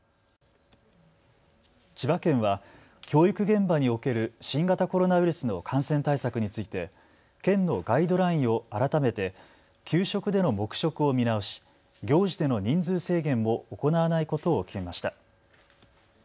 千葉県は教育現場における新型コロナウイルスの感染対策について県のガイドラインを改めて給食での黙食を見直し、行事での人数制限も行わないことを決めました。